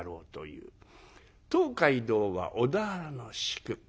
東海道は小田原の宿。